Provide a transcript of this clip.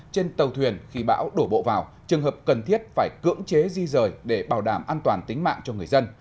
trên tàu thuyền khi bão đổ bộ vào trường hợp cần thiết phải cưỡng chế di rời để bảo đảm an toàn tính mạng cho người dân